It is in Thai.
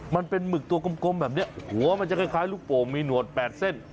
มันเป็นหมึกตัวกลมแบบเนี้ยหัวมันจะคล้ายคล้ายลูกโป่มมีหนวดแปดเส้น